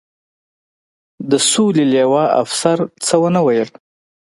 د سولې لوا، افسر څه و نه ویل.